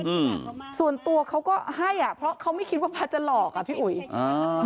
อืมส่วนตัวเขาก็ให้อ่ะเพราะเขาไม่คิดว่าพระจะหลอกอ่ะพี่อุ๋ยอ่า